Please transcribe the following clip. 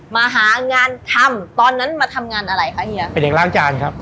มาหางานทำตอนนั้นมาทำงานอะไรคะเฮียเป็นเด็กล้างจานครับ